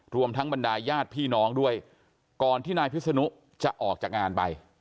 รวมทั้งบรรดายญาติพี่น้องด้วยก่อนที่นายพิษนุจะออกจากงานไป